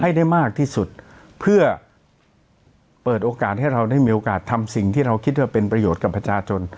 ให้ได้มากที่สุดเพื่อเปิดโอกาสให้เราได้มีโอกาสทำสิ่งที่เราคิดว่าเป็นประโยชน์กับประชาชน